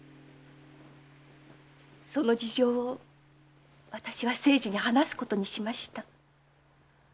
その事情を私は清次に話すことにしました。